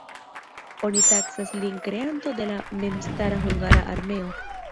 Oni taksas lin kreanto de la memstara hungara armeo.